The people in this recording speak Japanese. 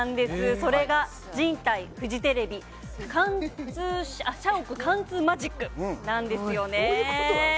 それが人体フジテレビ社屋貫通マジックなんですよね。